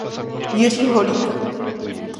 Jiří Holík.